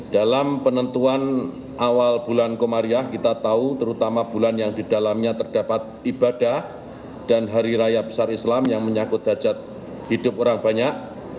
dalam penentuan awal bulan komariah kita tahu terutama bulan yang didalamnya terdapat ibadah dan hari raya besar islam yang menyangkut dajat hidup orang banyak